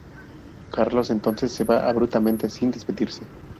Carlos entonces se va abruptamente, sin despedirse.